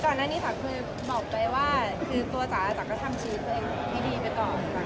ก่อนอันนี้นะคะคือบอกเลยคือตัวจระว่าจระจากก็ทำชีวิตเพื่อเองไม่ดีไปก่อน